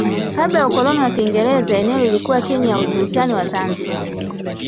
Kabla ya ukoloni wa Kiingereza eneo lilikuwa chini ya usultani wa Zanzibar.